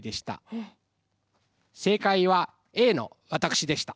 正解はＡの私でした。